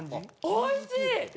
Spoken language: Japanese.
おいしい！